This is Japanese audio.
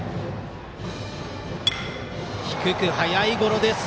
低く速いゴロです。